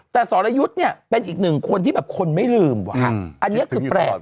แต่สรยุทธ์เนี่ยเป็นอีกหนึ่งคนที่แบบคนไม่ลืมว่ะอันนี้คือแปลก